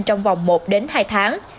trong vòng một hai tháng